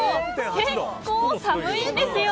結構寒いんですよ！